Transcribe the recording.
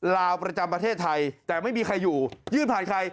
ลาวประจำประเทศไทยแต่ไม่มีใครอยู่ยื่นผ่านใคร